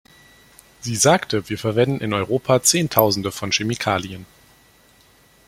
Sie sagte, wir verwenden in Europa Zehntausende von Chemikalien.